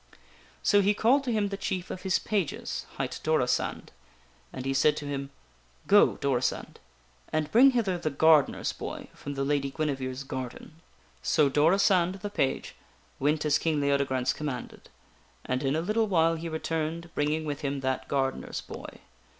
So he called to him the chief of his pages, hight Dorisand, and he said to him :" Go, Dorisand, and bring hither the gardener's boy from the Lady Guinevere's garden." So Dorisand, the page, went as King Leodegrance commanded, and in a little while he returned, bringing with him that gardener's boy.